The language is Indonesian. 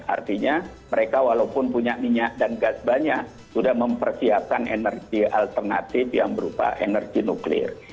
artinya mereka walaupun punya minyak dan gas banyak sudah mempersiapkan energi alternatif yang berupa energi nuklir